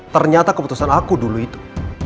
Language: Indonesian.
ternyata keputusan aku dulu itu